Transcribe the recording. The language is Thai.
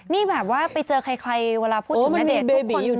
นี่แบบว่าไปเจอใครเวลาพูดถึงณเดชน์